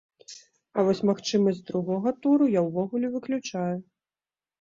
А вось магчымасць другога туру я ўвогуле выключаю.